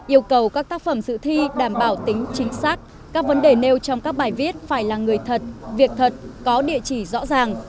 yêu cầu các tác phẩm dự thi đảm bảo tính chính xác các vấn đề nêu trong các bài viết phải là người thật việc thật có địa chỉ rõ ràng